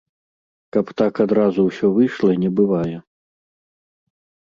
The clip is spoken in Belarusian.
Каб так адразу ўсё выйшла, не бывае.